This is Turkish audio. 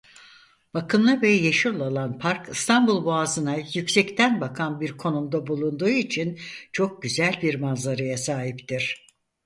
Bakımlı ve yeşil olan park İstanbul Boğazı'na yüksekten bakan bir konumda bulunduğu için çok güzel bir manzaraya sahiptir.